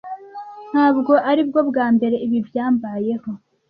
Ntabwo aribwo bwa mbere ibi byambayeho.